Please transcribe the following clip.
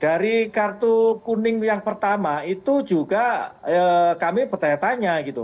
dari kartu kuning yang pertama itu juga kami bertanya tanya gitu